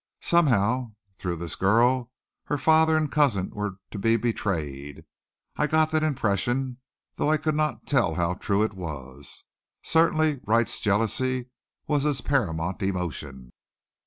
Somehow, through this girl, her father and cousin were to be betrayed. I got that impression, though I could not tell how true it was. Certainly, Wright's jealousy was his paramount emotion.